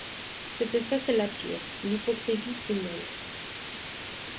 Cette espèce est la pire; l'hypocrisie s'y mêle.